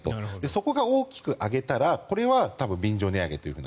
そこが大きく上げたらこれは便乗値上げと。